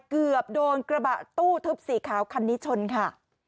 เกือบโดนกระบะตู้ทึบสีขาวคันนี้ชนค่ะ